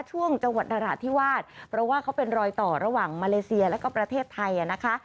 ช่วงจังหวัดนราธิวาสเพราะว่าเขาเป็นรอยต่อระหว่างมาเลเซียแล้วก็ประเทศไทยนะคะ